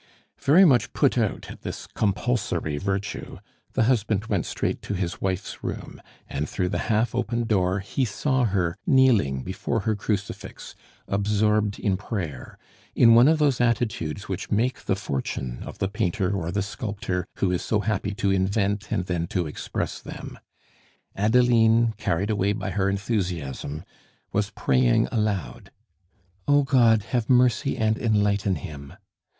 Very much put out at this compulsory virtue, the husband went straight to his wife's room, and through the half open door he saw her kneeling before her Crucifix, absorbed in prayer, in one of those attitudes which make the fortune of the painter or the sculptor who is so happy to invent and then to express them. Adeline, carried away by her enthusiasm, was praying aloud: "O God, have mercy and enlighten him!"